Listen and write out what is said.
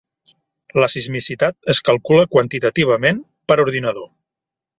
La sismicitat es calcula quantitativament per ordinador.